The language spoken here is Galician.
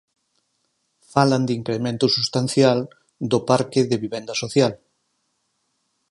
Falan de incremento substancial do parque de vivenda social.